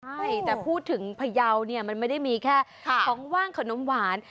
ใช่แต่พูดถึงพยาวเนี่ยมันไม่ได้มีแค่ของว่างขนมหวาน